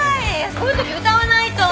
こういうとき歌わないと。